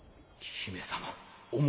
姫様！